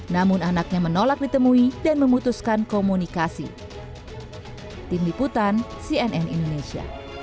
namun anaknya menolak ditemui dan memutuskan komunikasi